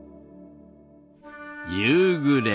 夕暮れ。